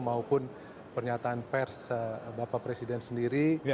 maupun pernyataan pers bapak presiden sendiri